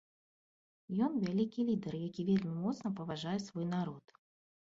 Ён вялікі лідар, які вельмі моцна паважае свой народ.